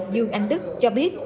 dương anh đức cho biết